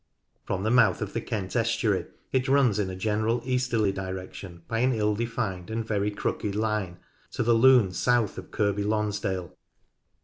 From the mouth of the Kent estuary it runs in a general easterly direction by an ill defined and very crooked line to the Lune south of Kirkby Lonsdale.